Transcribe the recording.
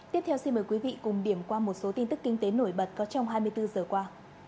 tiếp theo xin mời quý vị cùng điểm qua một số tin tức kinh tế nổi bật có trong hai mươi bốn giờ qua